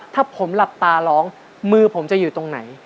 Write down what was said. ถ้าผมหลับตาร้องมือผมจะอยู่ตรงไหน